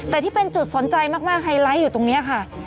แต่ที่เป็นจุดสนใจมากไฮไลท์อยู่ตรงนี้ค่ะ